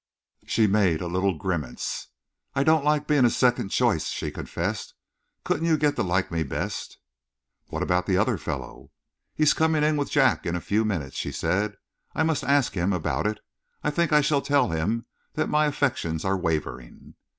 She made a little grimace. "I don't like being a second choice," she confessed. "Couldn't you get to like me best?" "What about the other fellow?" "He's coming in with Jack in a few minutes," she said. "I must ask him about it. I think I shall tell him that my affections are wavering."